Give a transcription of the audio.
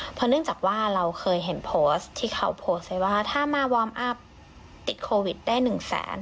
เพราะเนื่องจากว่าเราเคยเห็นโพสต์ที่เขาโพสต์ไว้ว่าถ้ามาวอร์มอัพติดโควิดได้หนึ่งแสน